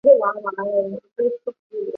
吊钩或起重机。